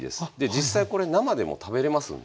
実際これ生でも食べれますんで。